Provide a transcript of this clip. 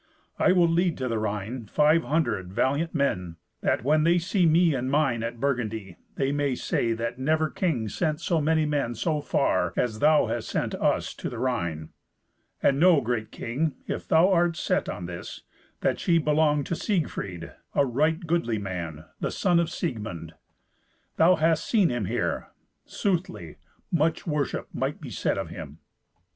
I will lead to the Rhine five hundred valiant men, that when they see me and mine at Burgundy, they may say that never king sent so many men so far as thou hast sent to us, to the Rhine. And know, great king, if thou art set on this, that she belonged to Siegfried, a right goodly man, the son of Siegmund. Thou hast seen him here. Soothly, much worship might be said of him."